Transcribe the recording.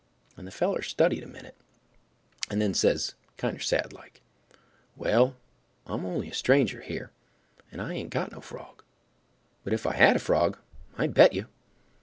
And the feller studied a minute, and then says, kinder sad like, "Well, I'm only a stranger here, and I ain't got no frog; but if I had a frog, I'd bet you."